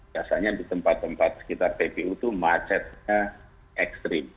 biasanya di tempat tempat sekitar tpu itu macetnya ekstrim